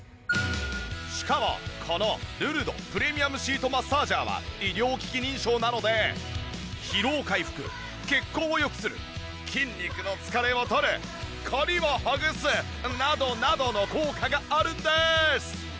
しかもこのルルドプレミアムシートマッサージャーは医療機器認証なので疲労回復血行を良くする筋肉の疲れをとる凝りをほぐすなどなどの効果があるんです。